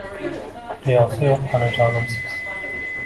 Qiyosi yuq onajonimsiz